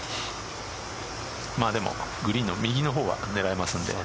でもグリーンの右の方は狙えますんで。